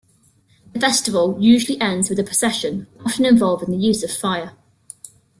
The festival usually ends with a procession, often involving the use of fire.